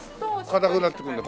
硬くなってくるんだ。